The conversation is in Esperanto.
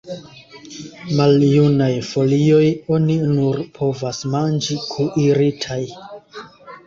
Maljunaj folioj oni nur povas manĝi kuiritaj.